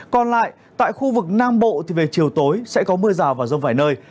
còn lại tại khu vực nam bộ thì về chiều tối sẽ có mưa rào và rông vài nơi